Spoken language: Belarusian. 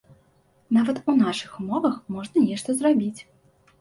Нават у нашых умовах можна нешта зрабіць.